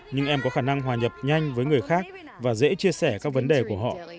nhưng em có khả năng hòa nhập nhanh với người khác và dễ chia sẻ các vấn đề của họ